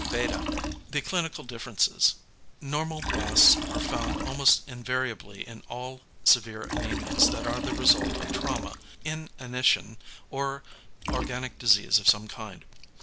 [beta]. The clinical differences. Normoblasts are found almost invariably in all severe anæmias that are the result of trauma, inanition or organic disease of some kind.